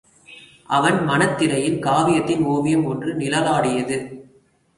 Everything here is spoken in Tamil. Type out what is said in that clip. அவன் மனத்திரையில் காவியத்தின் ஒவியம் ஒன்று நிழலாடியது.